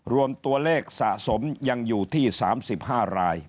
รวมตัวเลขสะสมยังอยู่ที่๓๕ราย